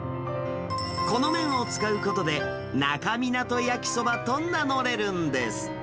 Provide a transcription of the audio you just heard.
この麺を使うことで、那珂湊焼きそばと名乗れるんです。